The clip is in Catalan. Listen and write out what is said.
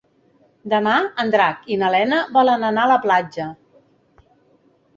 Demà en Drac i na Lena volen anar a la platja.